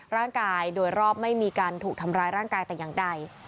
ร่างกายโดยรอบไม่มีการถูกทำร้ายร่างกายแต่อย่างใด